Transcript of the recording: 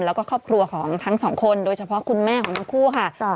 แล้วก็ครอบครัวของทั้งสองคนโดยเฉพาะคุณแม่ของทั้งคู่ค่ะ